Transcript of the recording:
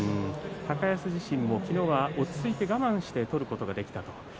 高安自身も昨日は落ち着いて我慢して取ることができたと。